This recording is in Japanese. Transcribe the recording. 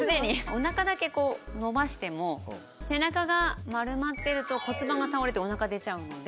おなかだけ伸ばしても背中が丸まってると骨盤が倒れておなか出ちゃうんで。